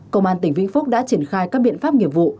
công an tỉnh vĩnh phúc đã triển khai các biện pháp nghiệp vụ